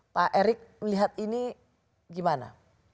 pak erik melihat ini gimana